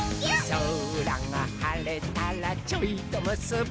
「そらがはれたらちょいとむすび」